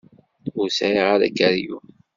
Ur sɛiɣ ara akeryun.